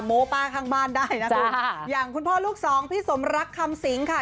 โม้ป้าข้างบ้านได้นะคุณค่ะอย่างคุณพ่อลูกสองพี่สมรักคำสิงค่ะ